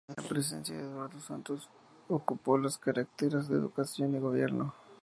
En la presidencia de Eduardo Santos ocupó las carteras de educación y gobierno.